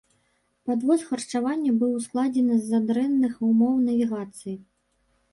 Падвоз харчавання быў ускладнены з-за дрэнных умоў навігацыі.